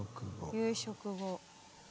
夕食後。